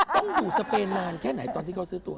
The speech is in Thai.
ต้องอยู่สเปนนานแค่ไหนตอนที่เขาซื้อตัว